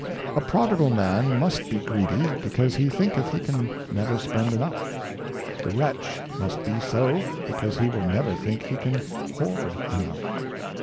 A prodigal Man must be greedy, because he thinketh he can never spend enough. The Wretch must be so, because he will never think he can hoard enough.